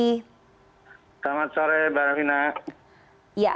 selamat sore baramina